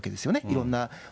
いろんな。